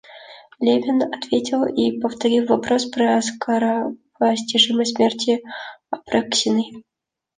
Левин ответил и повторил вопрос про скоропостижность смерти Апраксиной.